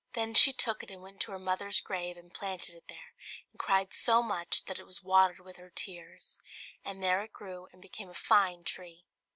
Then she took it and went to her mother's grave and planted it there, and cried so much that it was watered with her tears; and there it grew and became a fine tree.